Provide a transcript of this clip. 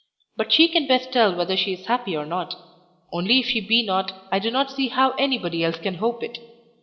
But she can best tell whether she is happy or not; only if she be not, I do not see how anybody else can hope it.